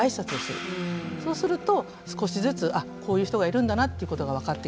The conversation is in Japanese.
そうすると少しずつあっこういう人がいるんだなっていうことが分かってくる。